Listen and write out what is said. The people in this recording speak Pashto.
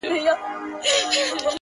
ما د دريم ژوند وه اروا ته سجده وکړه _